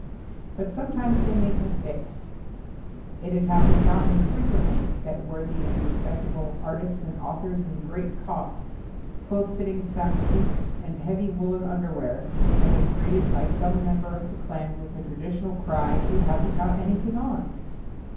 But some times they make mistakes. It has hap pened not infrequently that worthy and respectable artists and authors in great coats, close fitting sack suits, and heavy woolen underwear, have been greeted by some member of the clan with the traditional cry, "He hasn't got an3rthing on".